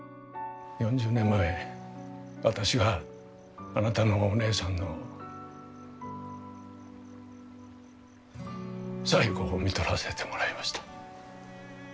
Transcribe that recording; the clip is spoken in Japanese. ４０年前私があなたのお姉さんの最期をみとらせてもらいました。